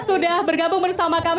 sudah bergabung bersama kami